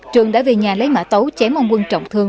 trường đã về nhà lấy mã tấu chém ông quân trọng thương